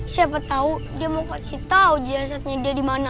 siapa tau dia mau kasih tau jelasatnya dia di mana